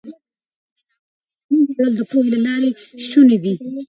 د ناپوهۍ له منځه وړل د پوهې له لارې شوني دي.